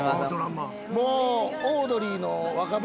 もう。